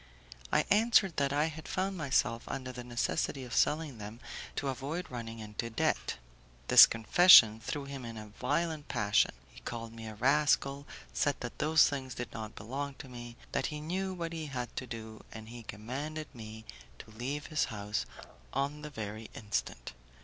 I answered that I had found myself under the necessity of selling them to avoid running into debt. This confession threw him in a violent passion; he called me a rascal, said that those things did not belong to me, that he knew what he had to do, and he commanded me to leave his house on the very instant.